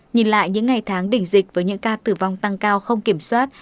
nhìn lại những ngày tháng đỉnh dịch với những ca tử vong tăng cao không kiểm soát